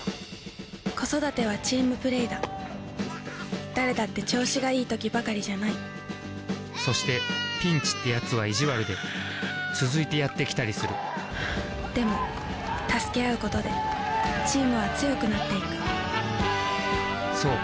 子育てはチームプレーだ誰だって調子がいいときばかりじゃないそしてピンチってやつは意地悪で続いてやって来たりするでも助け合うことでチームは強くなっていくそう。